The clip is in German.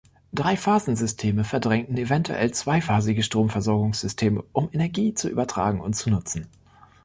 Dreiphasensysteme verdrängten eventuell zweiphasige Stromversorgungssysteme, um Energie zu übertragen und zu nutzen.